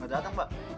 gak dateng mbak